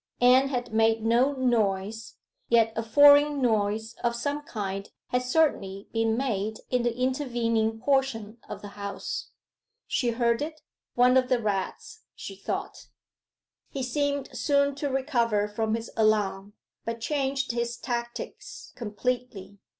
Anne had made no noise, yet a foreign noise of some kind had certainly been made in the intervening portion of the house. She heard it. 'One of the rats,' she thought. He seemed soon to recover from his alarm, but changed his tactics completely.